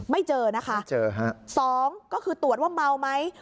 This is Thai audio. ไม่เจอนะคะสองก็คือตรวจว่าเมาไหม